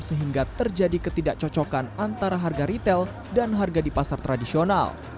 sehingga terjadi ketidakcocokan antara harga retail dan harga di pasar tradisional